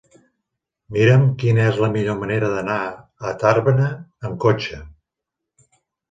Mira'm quina és la millor manera d'anar a Tàrbena amb cotxe.